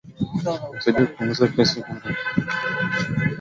unasaidia kupunguza kasi ya ongezeko la joto